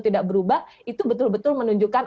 tidak berubah itu betul betul menunjukkan